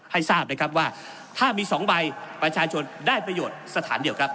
ให้ทราบนะครับว่าถ้ามี๒ใบประชาชนได้ประโยชน์สถานเดียวครับ